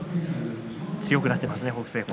強くなっていますね、北青鵬。